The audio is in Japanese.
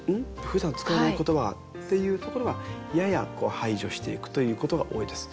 ふだん使わない言葉っていうところはやや排除していくということが多いです。